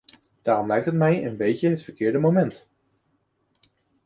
Daarom lijkt het mij een beetje het verkeerde moment.